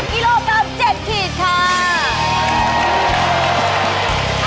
กิโลกรัม๗ขีดค่ะ